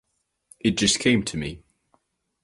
It just came to me.